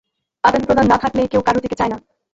আদান-প্রদান না থাকলে কেউ কারুর দিকে চায় না।